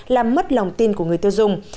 làm mất lòng tin của người tiêu dùng